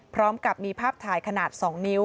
พร้อมกับมีภาพถ่ายขนาด๒นิ้ว